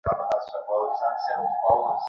যে কুত্তার বাচ্চা একাজ করেছে তাকে খুঁজে বের করো।